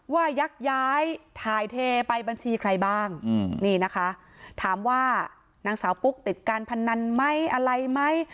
ยักย้ายถ่ายเทไปบัญชีใครบ้างนี่นะคะถามว่านางสาวปุ๊กติดการพนันไหมอะไรไหม